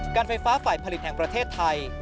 การไฟฟ้าฝ่ายผลิตแห่งประเทศไทย